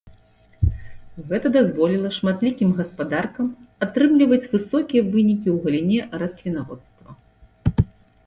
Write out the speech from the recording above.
Гэта дазволіла шматлікім гаспадаркам атрымліваць высокія вынікі ў галіне раслінаводства.